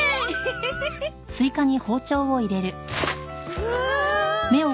うわ！